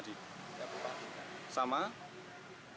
ke ruangan mana